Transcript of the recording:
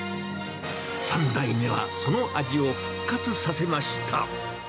３代目はその味を復活させました。